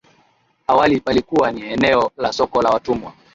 Awali palikuwa ni eneo la soko la watumwa